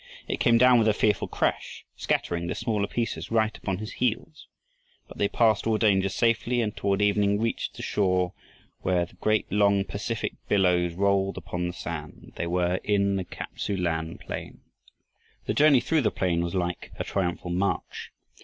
It came down with a fearful crash, scattering the smaller pieces right upon his heels; but they passed all dangers safely and toward evening reached the shore where the great long Pacific billows rolled upon the sand. They were in the Kap tsu lan plain. Their journey through the plain was like a triumphal march.